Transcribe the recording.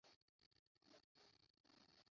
bakayoboramo amazi, azajya yifashishwa mu guhinga